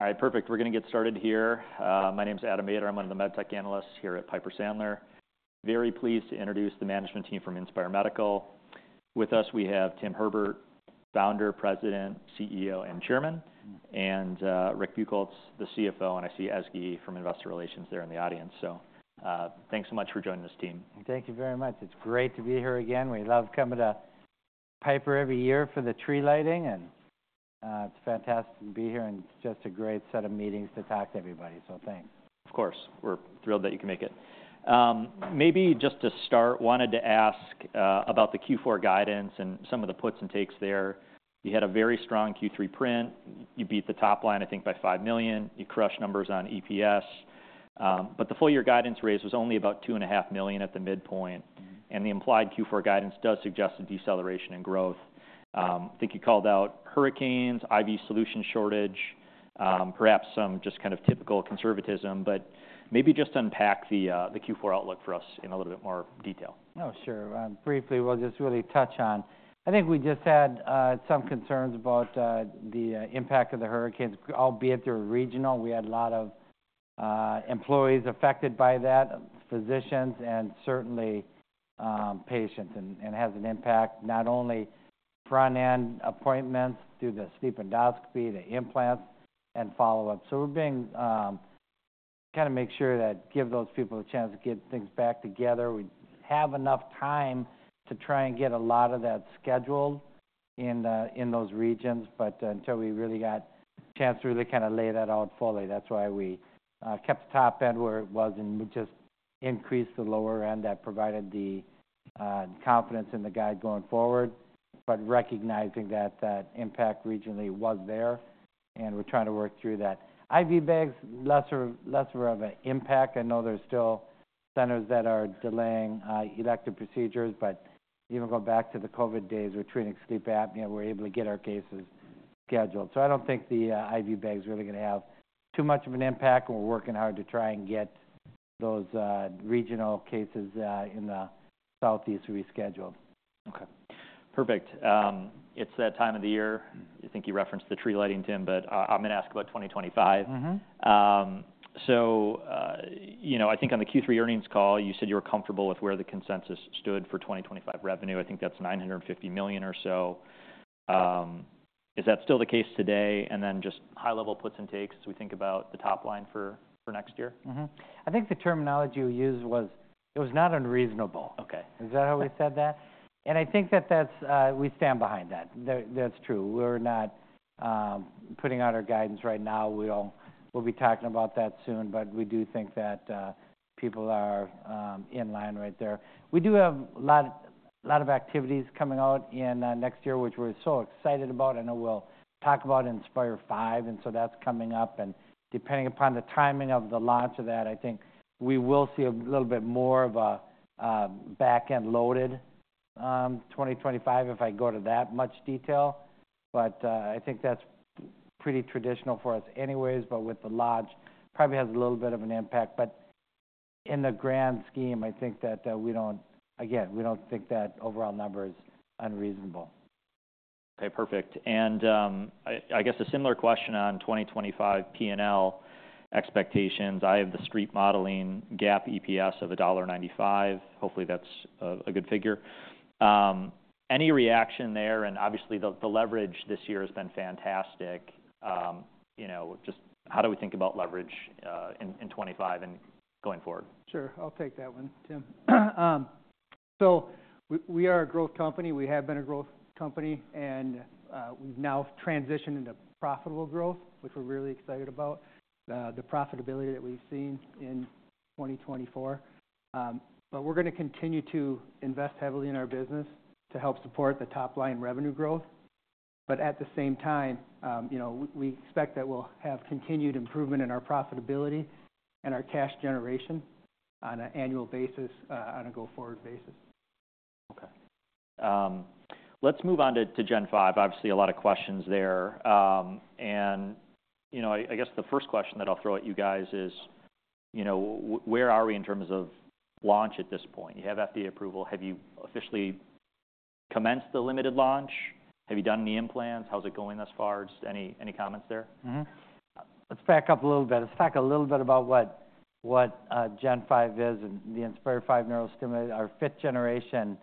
All right, perfect. We're going to get started here. My name's Adam Maeder. I'm one of the med tech analysts here at Piper Sandler. Very pleased to introduce the management team from Inspire Medical. With us, we have Tim Herbert, Founder, President, CEO, and Chairman, and Rick Buchholz, the CFO. And I see Ezgi from Investor Relations there in the audience. So thanks so much for joining this team. Thank you very much. It's great to be here again. We love coming to Piper every year for the tree lighting, and it's fantastic to be here, and it's just a great set of meetings to talk to everybody, so thanks. Of course. We're thrilled that you can make it. Maybe just to start, wanted to ask about the Q4 guidance and some of the puts and takes there. You had a very strong Q3 print. You beat the top line, I think, by $5 million. You crushed numbers on EPS. But the full-year guidance raise was only about $2.5 million at the midpoint. And the implied Q4 guidance does suggest a deceleration in growth. I think you called out hurricanes, IV solution shortage, perhaps some just kind of typical conservatism. But maybe just unpack the Q4 outlook for us in a little bit more detail. Oh, sure. Briefly, we'll just really touch on. I think we just had some concerns about the impact of the hurricanes, albeit they're regional. We had a lot of employees affected by that, physicians, and certainly patients. And it has an impact not only front-end appointments through the sleep endoscopy, the implants, and follow-up. So we're being kind of make sure that give those people a chance to get things back together. We have enough time to try and get a lot of that scheduled in those regions. But until we really got a chance to really kind of lay that out fully, that's why we kept the top end where it was and just increased the lower end that provided the confidence in the guide going forward. But recognizing that that impact regionally was there. And we're trying to work through that, IV bags, lesser of an impact. I know there's still centers that are delaying elective procedures. But even going back to the COVID days, we're treating sleep apnea, we're able to get our cases scheduled. So I don't think the IV bags are really going to have too much of an impact. And we're working hard to try and get those regional cases in the Southeast rescheduled. Okay. Perfect. It's that time of the year. I think you referenced the tree lighting, Tim, but I'm going to ask about 2025. So I think on the Q3 earnings call, you said you were comfortable with where the consensus stood for 2025 revenue. I think that's $950 million or so. Is that still the case today? And then just high-level puts and takes as we think about the top line for next year? I think the terminology we used was it was not unreasonable. Is that how we said that? And I think that that's we stand behind that. That's true. We're not putting out our guidance right now. We'll be talking about that soon. But we do think that people are in line right there. We do have a lot of activities coming out next year, which we're so excited about. I know we'll talk about Inspire V. And so that's coming up. And depending upon the timing of the launch of that, I think we will see a little bit more of a back-end loaded 2025 if I go to that much detail. But I think that's pretty traditional for us anyways. But with the launch, probably has a little bit of an impact. But in the grand scheme, I think that we don't, we don't think that overall number is unreasonable. Okay. Perfect. And I guess a similar question on 2025 P&L expectations. I have the street modeling GAAP EPS of $1.95. Hopefully, that's a good figure. Any reaction there? And obviously, the leverage this year has been fantastic. Just how do we think about leverage in 2025 and going forward? Sure. I'll take that one, Tim. So we are a growth company. We have been a growth company. And we've now transitioned into profitable growth, which we're really excited about, the profitability that we've seen in 2024. But we're going to continue to invest heavily in our business to help support the top-line revenue growth. But at the same time, we expect that we'll have continued improvement in our profitability and our cash generation on an annual basis, on a go-forward basis. Okay. Let's move on to Gen V. Obviously, a lot of questions there. And I guess the first question that I'll throw at you guys is, where are we in terms of launch at this point? You have FDA approval. Have you officially commenced the limited launch? Have you done any implants? How's it going thus far? Just any comments there? Let's back up a little bit. Let's talk a little bit about what Gen V is and the Inspire V neurostimulator, our fifth-generation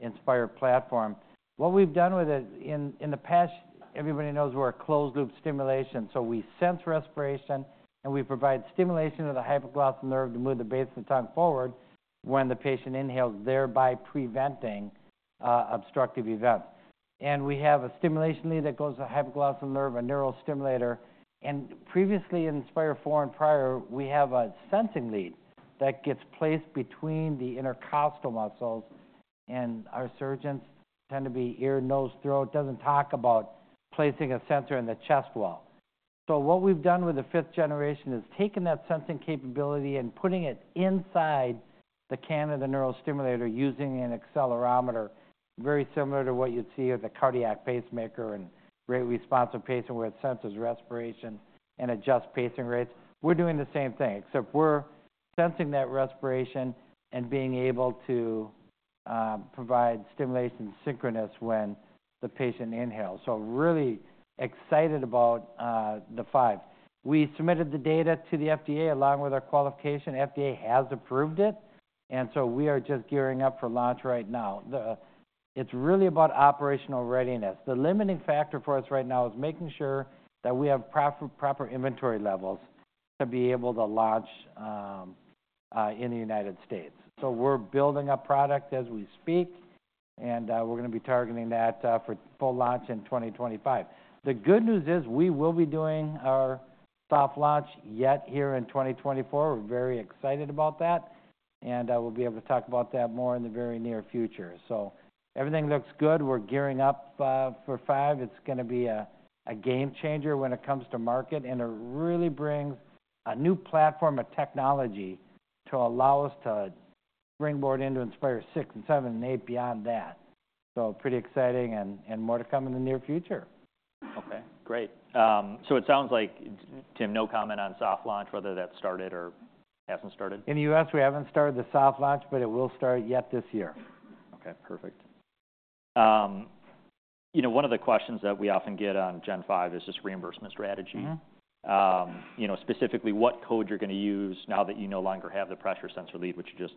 Inspire platform. What we've done with it in the past, everybody knows we're a closed-loop stimulation. So we sense respiration. And we provide stimulation to the hypoglossal nerve to move the base of the tongue forward when the patient inhales, thereby preventing obstructive events. And we have a stimulation lead that goes to the hypoglossal nerve, a neurostimulator. And previously, Inspire IV and prior, we have a sensing lead that gets placed between the intercostal muscles. And our surgeons tend to be ear, nose, throat. It doesn't talk about placing a sensor in the chest wall. What we've done with the fifth-generation is taken that sensing capability and putting it inside the can of the neurostimulator using an accelerometer, very similar to what you'd see with a cardiac pacemaker and rate-responsive pacer where it senses respiration and adjusts pacing rates. We're doing the same thing, except we're sensing that respiration and being able to provide stimulation synchronous when the patient inhales. Really excited about the five. We submitted the data to the FDA along with our qualification. FDA has approved it. We are just gearing up for launch right now. It's really about operational readiness. The limiting factor for us right now is making sure that we have proper inventory levels to be able to launch in the United States. We're building a product as we speak. We're going to be targeting that for full launch in 2025. The good news is we will be doing our soft launch yet here in 2024. We're very excited about that, and we'll be able to talk about that more in the very near future, so everything looks good. We're gearing up for V. It's going to be a game changer when it comes to market, and it really brings a new platform of technology to allow us to springboard into Inspire VI and VII and VIII beyond that, so pretty exciting and more to come in the near future. Okay. Great. So it sounds like, Tim, no comment on soft launch, whether that's started or hasn't started? In the U.S., we haven't started the soft launch, but it will start yet this year. Okay. Perfect. One of the questions that we often get on Gen V is just reimbursement strategy. Specifically, what code you're going to use now that you no longer have the pressure sensor lead, which you just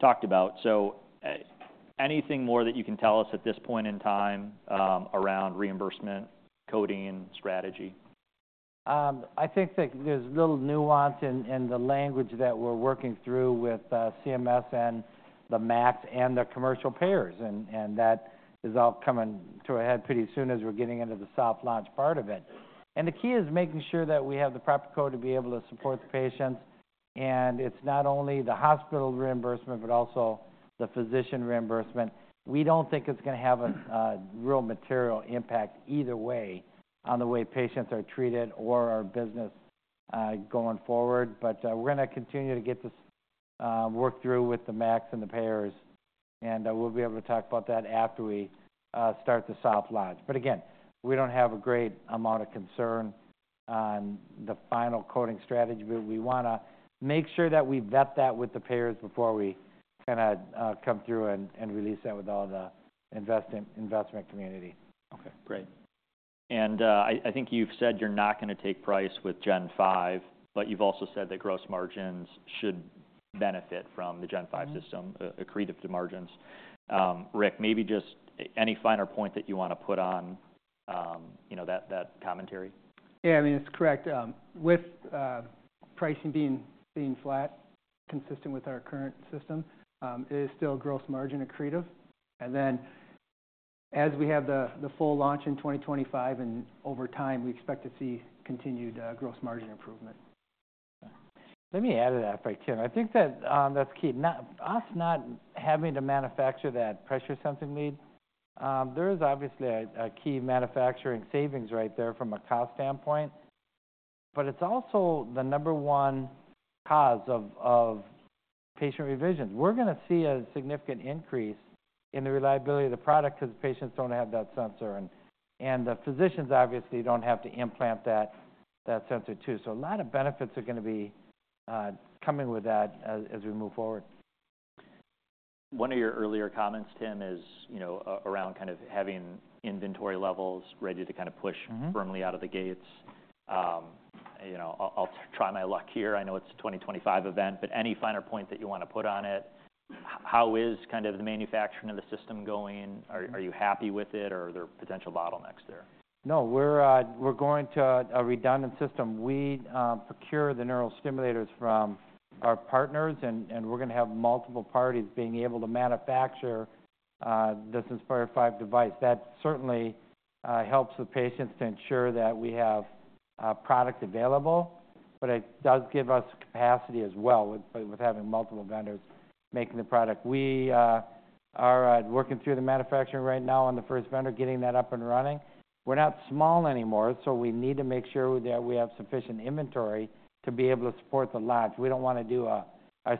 talked about? So anything more that you can tell us at this point in time around reimbursement, coding, strategy? I think that there's little nuance in the language that we're working through with CMS and the MACs and the commercial payers, and that is all coming to a head pretty soon as we're getting into the soft launch part of it, and the key is making sure that we have the proper code to be able to support the patients, and it's not only the hospital reimbursement, but also the physician reimbursement. We don't think it's going to have a real material impact either way on the way patients are treated or our business going forward, but we're going to continue to get this worked through with the MACs and the payers, and we'll be able to talk about that after we start the soft launch, but again, we don't have a great amount of concern on the final coding strategy. But we want to make sure that we vet that with the payers before we kind of come through and release that with all the investment community. Okay. Great. And I think you've said you're not going to take price with Gen V. But you've also said that gross margins should benefit from the Gen V system, accretive to margins. Rick, maybe just any finer point that you want to put on that commentary? Yeah. I mean, it's correct. With pricing being flat, consistent with our current system, it is still gross margin accretive, and then as we have the full launch in 2025, and over time, we expect to see continued gross margin improvement. Let me add to that, right, Tim. I think that that's key. Us not having to manufacture that pressure sensing lead, there is obviously a key manufacturing savings right there from a cost standpoint. But it's also the number one cause of patient revisions. We're going to see a significant increase in the reliability of the product because patients don't have that sensor. And the physicians obviously don't have to implant that sensor too. So a lot of benefits are going to be coming with that as we move forward. One of your earlier comments, Tim, is around kind of having inventory levels ready to kind of push firmly out of the gates. I'll try my luck here. I know it's a 2025 event, but any finer point that you want to put on it? How is kind of the manufacturing of the system going? Are you happy with it? Or are there potential bottlenecks there? No. We're going to a redundant system. We procure the neurostimulators from our partners. And we're going to have multiple parties being able to manufacture this Inspire V device. That certainly helps the patients to ensure that we have product available. But it does give us capacity as well with having multiple vendors making the product. We are working through the manufacturing right now on the first vendor, getting that up and running. We're not small anymore. So we need to make sure that we have sufficient inventory to be able to support the launch. We don't want to do a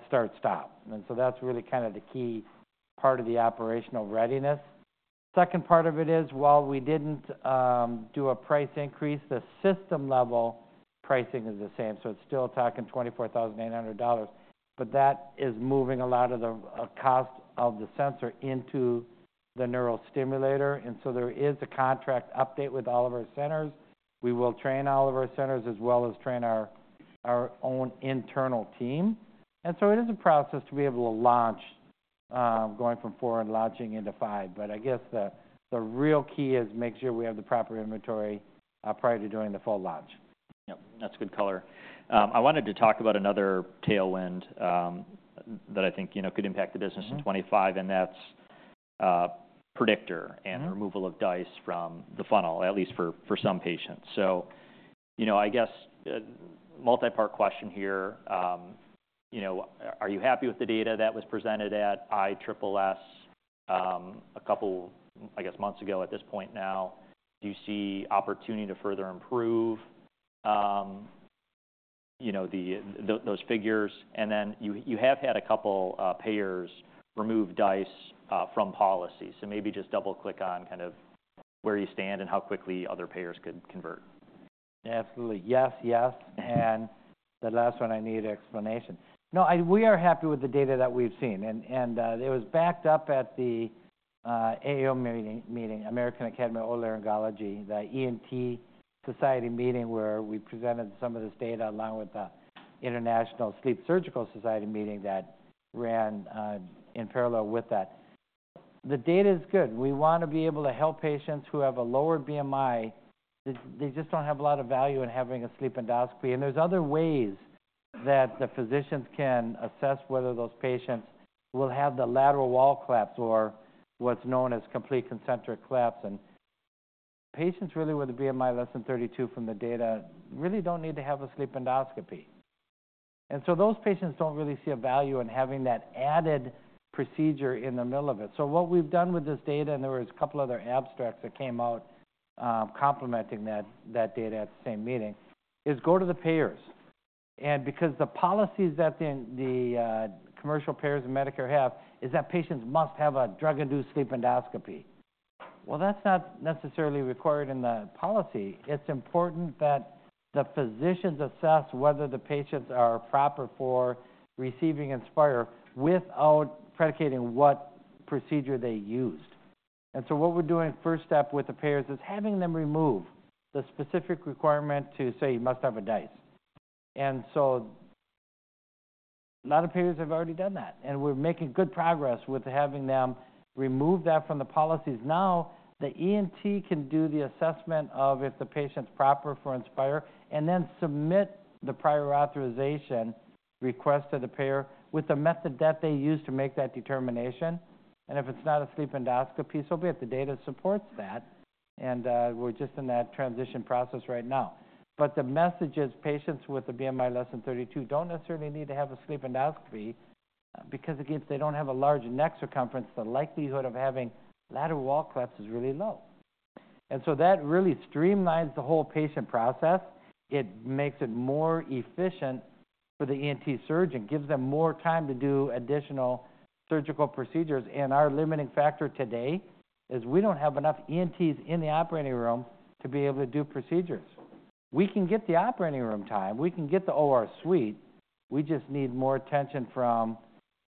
start-stop. And so that's really kind of the key part of the operational readiness. Second part of it is, while we didn't do a price increase, the system-level pricing is the same. So it's still talking $24,800. But that is moving a lot of the cost of the sensor into the neurostimulator. And so there is a contract update with all of our centers. We will train all of our centers as well as train our own internal team. And so it is a process to be able to launch going from IV and launching into V. But I guess the real key is to make sure we have the proper inventory prior to doing the full launch. Yep. That's good color. I wanted to talk about another tailwind that I think could impact the business in 2025, and that's Predictor and removal of DISE from the funnel, at least for some patients, so I guess multi-part question here. Are you happy with the data that was presented at ISSS a couple, I guess, months ago at this point now? Do you see opportunity to further improve those figures, and then you have had a couple payers remove DISE from policy, so maybe just double-click on kind of where you stand and how quickly other payers could convert. Absolutely. Yes, yes. And the last one, I need explanation. No. We are happy with the data that we've seen. And it was backed up at the AAO meeting, American Academy of Otolaryngology, the ENT Society meeting where we presented some of this data along with the International Sleep Surgical Society meeting that ran in parallel with that. The data is good. We want to be able to help patients have a lower BMI. They just don't have a lot of value in having a sleep endoscopy. And there's other ways that the physicians can assess whether those patients will have the lateral wall collapse or what's known as complete concentric collapse. And patients really with a BMI less than 32 from the data really don't need to have a sleep endoscopy. And so those patients don't really see a value in having that added procedure in the middle of it. So what we've done with this data, and there were a couple other abstracts that came out complementing that data at the same meeting, is go to the payers. And because the policies that the commercial payers and Medicare have is that patients must have a drug-induced sleep endoscopy. Well, that's not necessarily required in the policy. It's important that the physicians assess whether the patients are proper for receiving Inspire without predicating what procedure they used. And so what we're doing first step with the payers is having them remove the specific requirement to say you must have a DISE. And so a lot of payers have already done that. And we're making good progress with having them remove that from the policies. Now, the ENT can do the assessment of if the patient's proper for Inspire and then submit the prior authorization request to the payer with the method that they use to make that determination, and if it's not a sleep endoscopy, so be it. The data supports that, and we're just in that transition process right now, but the message is patients with a BMI less than 32 don't necessarily need to have a sleep endoscopy because, again, if they don't have a large neck circumference, the likelihood of having lateral wall collapse is really low, and so that really streamlines the whole patient process. It makes it more efficient for the ENT surgeon, gives them more time to do additional surgical procedures, and our limiting factor today is we don't have enough ENTs in the operating room to be able to do procedures. We can get the operating room time. We can get the OR suite. We just need more attention from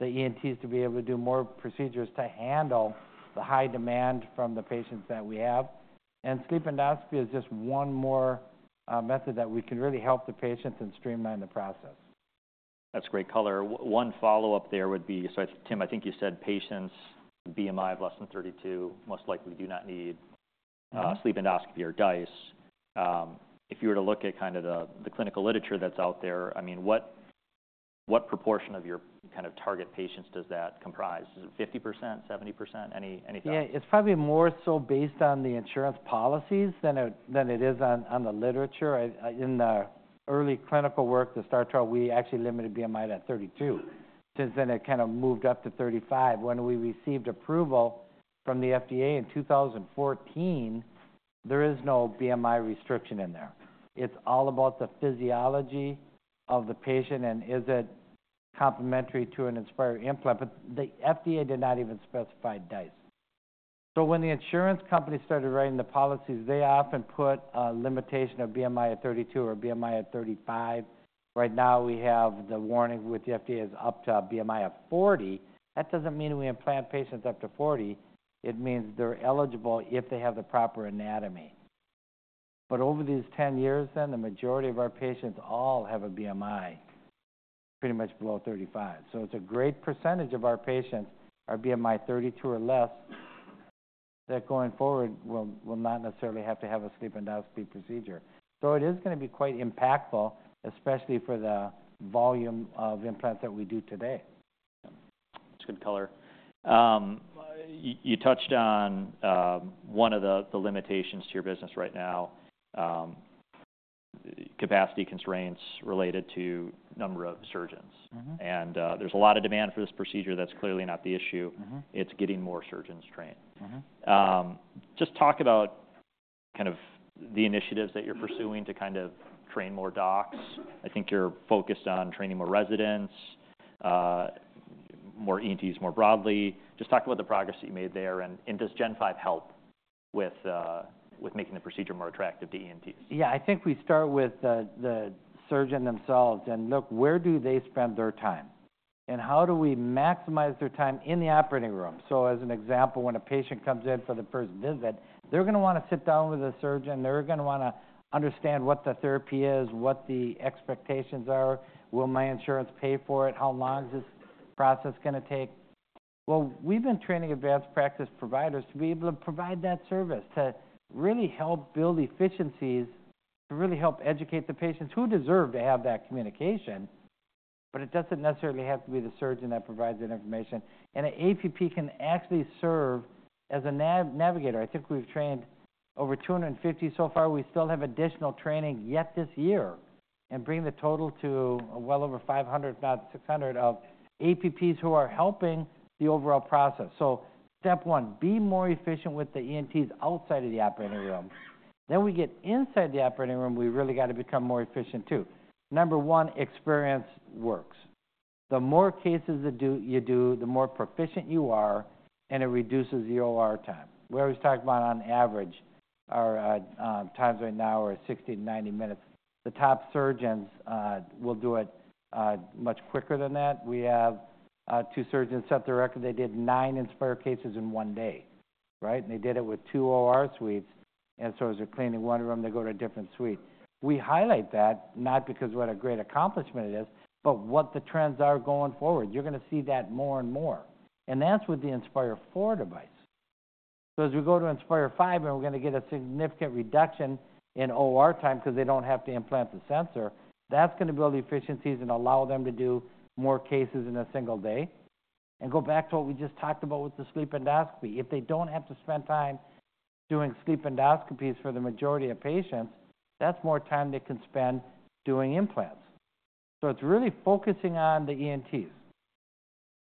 the ENTs to be able to do more procedures to handle the high demand from the patients that we have, and sleep endoscopy is just one more method that we can really help the patients and streamline the process. That's great color. One follow-up there would be so, Tim, I think you said patients with a BMI of less than 32 most likely do not need sleep endoscopy or DISE. If you were to look at kind of the clinical literature that's out there, I mean, what proportion of your kind of target patients does that comprise? Is it 50%, 70%, anything? Yeah. It's probably more so based on the insurance policies than it is on the literature. In the early clinical work, the STAR trial, we actually limited BMI to 32. Since then, it kind of moved up to 35. When we received approval from the FDA in 2014, there is no BMI restriction in there. It's all about the physiology of the patient and is it complementary to an Inspire implant. But the FDA did not even specify DISE. So when the insurance company started writing the policies, they often put a limitation of BMI at 32 or BMI at 35. Right now, we have the warning with the FDA is up to a BMI of 40. That doesn't mean we implant patients up to 40. It means they're eligible if they have the proper anatomy. But over these 10 years, then, the majority of our patients all have a BMI pretty much below 35. So it's a great percentage of our patients, our BMI 32 or less, that going forward will not necessarily have to have a sleep endoscopy procedure. So it is going to be quite impactful, especially for the volume of implants that we do today. That's good color. You touched on one of the limitations to your business right now, capacity constraints related to number of surgeons. And there's a lot of demand for this procedure. That's clearly not the issue. It's getting more surgeons trained. Just talk about kind of the initiatives that you're pursuing to kind of train more docs. I think you're focused on training more residents, more ENTs more broadly. Just talk about the progress that you made there. And does Gen V help with making the procedure more attractive to ENTs? Yeah. I think we start with the surgeon themselves, and look, where do they spend their time, and how do we maximize their time in the operating room, so as an example, when a patient comes in for the first visit, they're going to want to sit down with a surgeon. They're going to want to understand what the therapy is, what the expectations are. Will my insurance pay for it? How long is this process going to take, well, we've been training advanced practice providers to be able to provide that service, to really help build efficiencies, to really help educate the patients who deserve to have that communication, but it doesn't necessarily have to be the surgeon that provides that information, and an APP can actually serve as a navigator. I think we've trained over 250 so far. We still have additional training yet this year and bring the total to well over 500, if not 600, of APPs who are helping the overall process. So step one, be more efficient with the ENTs outside of the operating room. Then we get inside the operating room. We really got to become more efficient too. Number one, experience works. The more cases you do, the more proficient you are. And it reduces your OR time. We always talk about on average, our times right now are 60-90 minutes. The top surgeons will do it much quicker than that. We have two surgeons set the record. They did nine Inspire cases in one day. Right? And they did it with two OR suites. And so as they're cleaning one room, they go to a different suite. We highlight that not because what a great accomplishment it is, but what the trends are going forward. You're going to see that more and more, and that's with the Inspire IV device. As we go to Inspire V, we're going to get a significant reduction in OR time because they don't have to implant the sensor. That's going to build efficiencies and allow them to do more cases in a single day. Go back to what we just talked about with the sleep endoscopy. If they don't have to spend time doing sleep endoscopies for the majority of patients, that's more time they can spend doing implants. It's really focusing on the ENTs.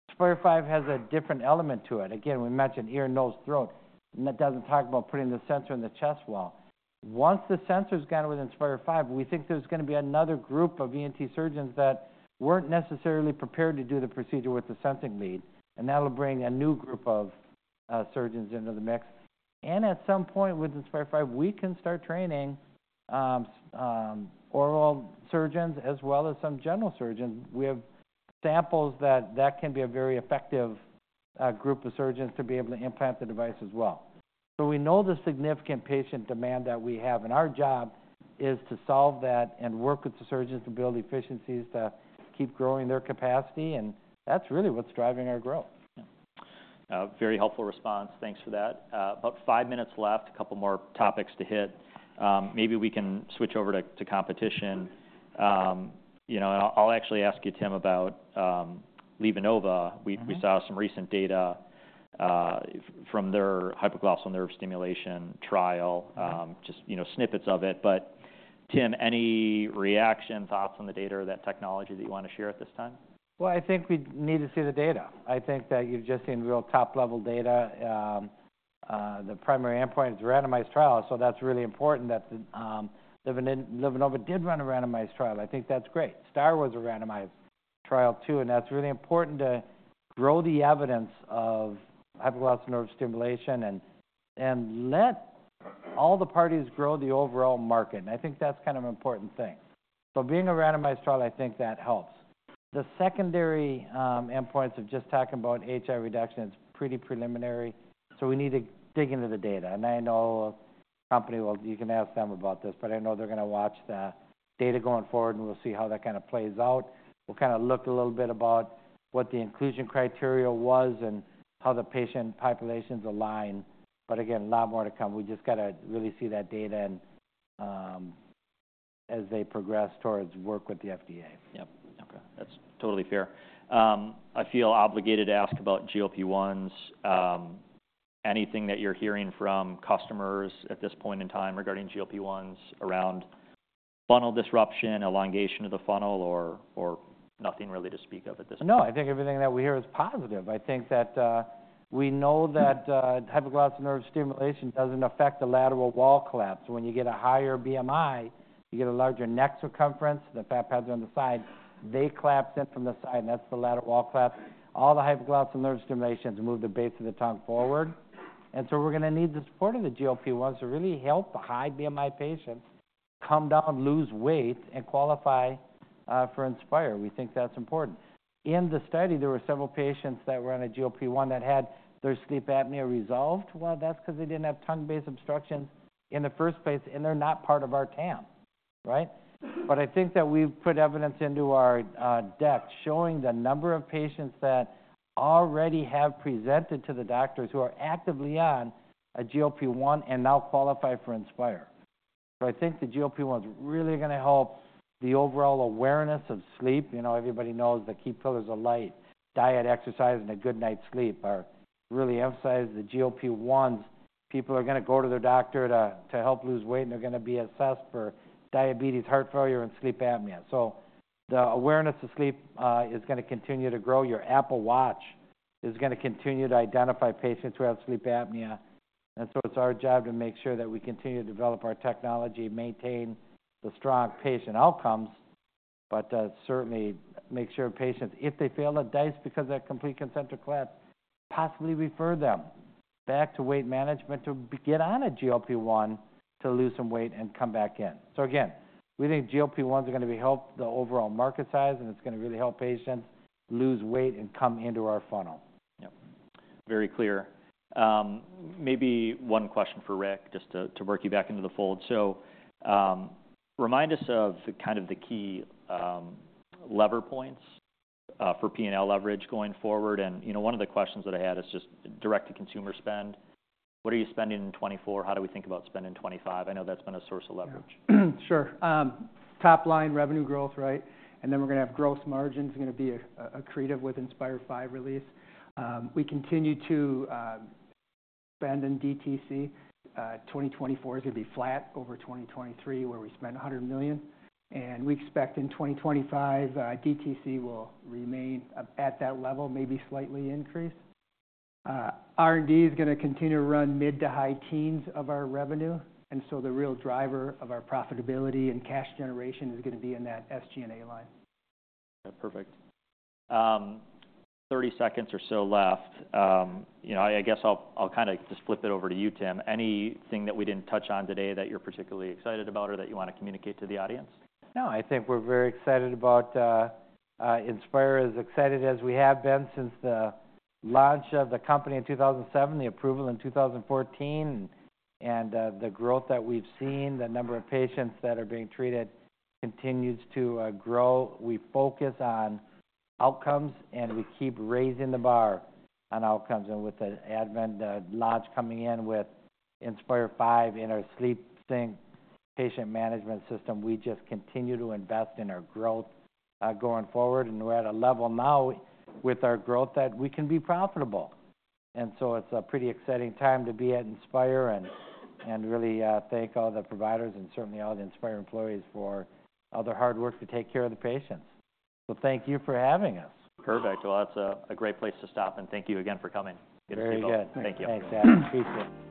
Inspire V has a different element to it. We mentioned ear, nose, throat again, and that doesn't talk about putting the sensor in the chest wall. Once the sensor's gone with Inspire V, we think there's going to be another group of ENT surgeons that weren't necessarily prepared to do the procedure with the sensing lead. And that'll bring a new group of surgeons into the mix. And at some point with Inspire V, we can start training oral surgeons as well as some general surgeons. We have samples that can be a very effective group of surgeons to be able to implant the device as well. So we know the significant patient demand that we have. And our job is to solve that and work with the surgeons to build efficiencies to keep growing their capacity. And that's really what's driving our growth. Very helpful response. Thanks for that. About five minutes left, a couple more topics to hit. Maybe we can switch over to competition. I'll actually ask you, Tim, about LivaNova. We saw some recent data from their hypoglossal nerve stimulation trial, just snippets of it. But Tim, any reaction, thoughts on the data or that technology that you want to share at this time? I think we need to see the data. I think that you've just seen real top-level data. The primary endpoint is randomized trial. That's really important that LivaNova did run a randomized trial. I think that's great. STAR was a randomized trial too. That's really important to grow the evidence of hypoglossal nerve stimulation and let all the parties grow the overall market. I think that's kind of an important thing. Being a randomized trial, I think that helps. The secondary endpoints of just talking about AHI reduction, it's pretty preliminary. We need to dig into the data. I know the company, well, you can ask them about this. But I know they're going to watch the data going forward. We'll see how that kind of plays out. We'll kind of look a little bit about what the inclusion criteria was and how the patient populations align. But again, a lot more to come. We just got to really see that data as they progress towards work with the FDA. Yep. Okay. That's totally fair. I feel obligated to ask about GLP-1s. Anything that you're hearing from customers at this point in time regarding GLP-1s around funnel disruption, elongation of the funnel, or nothing really to speak of at this point? No. I think everything that we hear is positive. I think that we know that hypoglossal nerve stimulation doesn't affect the lateral wall collapse. When you get a higher BMI, you get a larger neck circumference. The fat pads are on the side. They collapse in from the side. And that's the lateral wall collapse. All the hypoglossal nerve stimulation has moved the base of the tongue forward. And so we're going to need the support of the GLP-1s to really help the high BMI patients come down, lose weight, and qualify for Inspire. We think that's important. In the study, there were several patients that were on a GLP-1 that had their sleep apnea resolved. Well, that's because they didn't have tongue-based obstructions in the first place. And they're not part of our TAM. Right? But I think that we've put evidence into our deck showing the number of patients that already have presented to the doctors who are actively on a GLP-1 and now qualify for Inspire. So I think the GLP-1 is really going to help the overall awareness of sleep. Everybody knows the key pillars of light, diet, exercise, and a good night's sleep are really emphasized. The GLP-1s, people are going to go to their doctor to help lose weight. And they're going to be assessed for diabetes, heart failure, and sleep apnea. So the awareness of sleep is going to continue to grow. Your Apple Watch is going to continue to identify patients who have sleep apnea. And so it's our job to make sure that we continue to develop our technology, maintain the strong patient outcomes, but certainly make sure patients, if they fail a DISE because of a complete concentric collapse, possibly refer them back to weight management to get on a GLP-1 to lose some weight and come back in. So again, we think GLP-1s are going to help the overall market size. And it's going to really help patients lose weight and come into our funnel. Yep. Very clear. Maybe one question for Rick just to work you back into the fold. So remind us of kind of the key lever points for P&L leverage going forward. And one of the questions that I had is just direct-to-consumer spend. What are you spending in 2024? How do we think about spending 2025? I know that's been a source of leverage. Sure. Top line, revenue growth. Right? And then we're going to have gross margins going to be accretive with Inspire V release. We continue to spend in DTC. 2024 is going to be flat over 2023 where we spent $100 million. And we expect in 2025, DTC will remain at that level, maybe slightly increased. R&D is going to continue to run mid to high teens of our revenue. And so the real driver of our profitability and cash generation is going to be in that SG&A line. Okay. Perfect. 30 seconds or so left. I guess I'll kind of just flip it over to you, Tim. Anything that we didn't touch on today that you're particularly excited about or that you want to communicate to the audience? No. I think we're very excited about Inspire, as excited as we have been since the launch of the company in 2007, the approval in 2014, and the growth that we've seen. The number of patients that are being treated continues to grow. We focus on outcomes. We keep raising the bar on outcomes. With the advent, the launch coming in with Inspire V in our SleepSync patient management system, we just continue to invest in our growth going forward. We're at a level now with our growth that we can be profitable. So it's a pretty exciting time to be at Inspire. Really thank all the providers and certainly all the Inspire employees for all their hard work to take care of the patients. So thank you for having us. Perfect. Well, that's a great place to stop. And thank you again for coming. Good to see you both. Very good. Thanks, Adam. Appreciate it.